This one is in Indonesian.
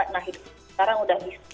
nah sekarang udah bisa